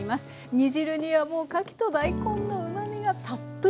煮汁にはもうかきと大根のうまみがたっぷり。